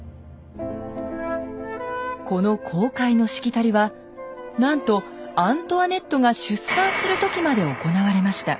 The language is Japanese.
この公開のしきたりはなんとアントワネットが出産する時まで行われました。